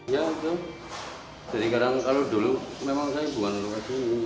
jadi kadang kalau dulu memang saya bukan lukis ini